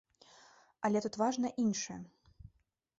Але тут важна іншае.